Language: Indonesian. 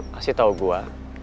kasih tau gue